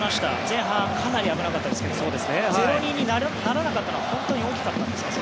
前半、かなり危なかったですけど０−２にならなかったのは本当に大きかったです。